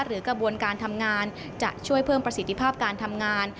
กระบวนการทำงานจะช่วยเพิ่มประสิทธิภาพการทำงาน